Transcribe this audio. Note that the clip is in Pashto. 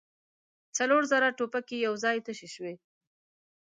څلور زره ټوپکې يو ځای تشې شوې.